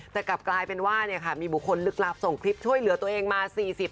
แต่กลับกลายเป็นว่ามีบุคคลลึกลับส่งคลิปช่วยเหลือตัวเองมา๔๐